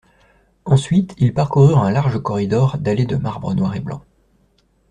Ensuite ils parcoururent un large corridor dallé de marbre noir et blanc.